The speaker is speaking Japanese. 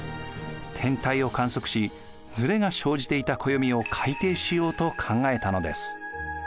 天体を観測しずれが生じていた暦を改訂しようと考えたのです。